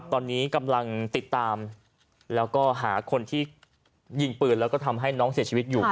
ตอนนี้กำลังติดตามแล้วก็หาคนที่ยิงปืนแล้วก็ทำให้น้องเสียชีวิตอยู่